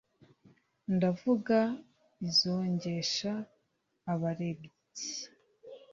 Ndavuga izongesha abarebyi!